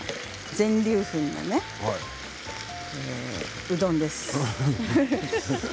全粒粉のうどんです。